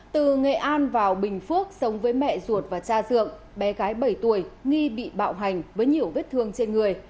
từ nghệ an vào bình phước sống với mẹ ruột và cha dượng bé gái bảy tuổi nghi bị bạo hành với nhiều vết thương trên người